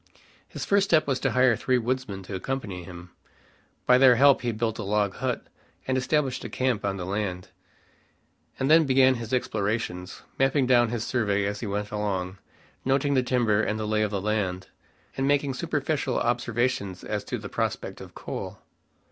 His first step was to hire three woodsmen to accompany him. By their help he built a log hut, and established a camp on the land, and then began his explorations, mapping down his survey as he went along, noting the timber, and the lay of the land, and making superficial observations as to the prospect of coal.